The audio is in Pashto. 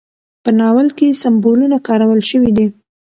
په ناول کې سمبولونه کارول شوي دي.